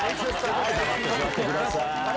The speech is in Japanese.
はい黙って座ってください。